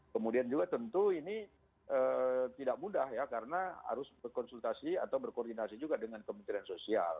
kemudian juga tentu ini tidak mudah ya karena harus berkonsultasi atau berkoordinasi juga dengan kementerian sosial